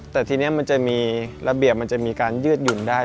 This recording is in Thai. แต่ทีนี้มันจะมีระเบียบมันจะมีการยืดหยุ่นได้